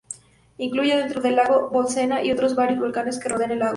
Incluye dentro el lago de Bolsena, y otros varios volcanes que rodea el lago.